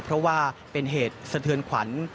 เพราะว่าเป็นเหตุสะเทือนขวัญ